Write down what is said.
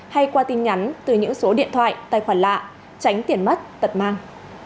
hay qua tin nhắn từ những số điện thoại tài khoản lạ tránh tiền mất tật mang